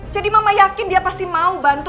jadi mama yakin dia pasti mau bantu